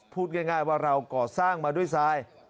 พูดง่ายว่าเราก่อสร้างมาด้วยทราย